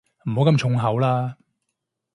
唔好咁重口啦